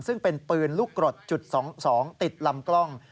ซึ่งเป็นปืนลูกกรดจุด๒๒ติดลำกล้อง